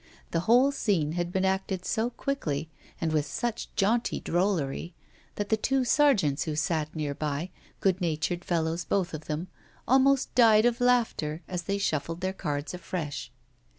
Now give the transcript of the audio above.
The whole scene had been acted so quickly, and with such jaunty drollery, that the two sergeants who sat nearby, good natured fellows both of them, almost died of laughter as they shuffled their cards afresh.